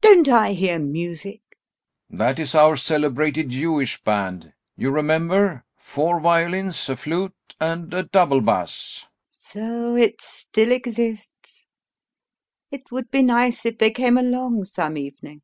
[Tears it up] Don't I hear music? [Listens.] GAEV. That is our celebrated Jewish band. You remember four violins, a flute, and a double bass. LUBOV So it still exists? It would be nice if they came along some evening.